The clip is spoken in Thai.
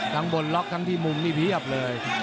ทั้งบนล็อคทั้งที่มุมมีพีชอัพเลย